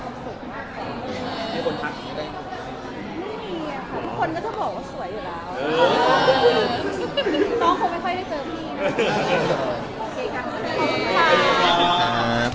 ขอบคุณค่ะ